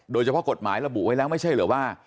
โดยเฉพาะกฎหมายระบุไว้แล้วไม่ใช่เหรอว่า